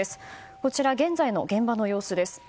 こちら、現在の現場の様子です。